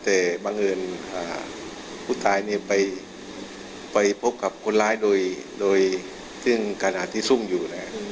แต่บางเกิดผู้ตายไปพบกับคนร้ายโดยซึ่งการอาธิสุ่มอยู่นะครับ